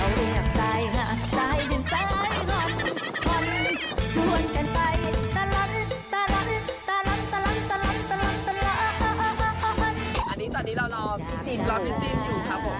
อันนี้ตอนนี้เรารอพี่พิมรอพี่จิ้มอยู่ครับผม